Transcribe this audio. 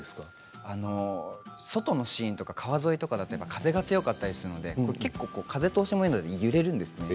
外のシーンとか川沿いだと風が強かったりするので風通しもいいので揺れるんです。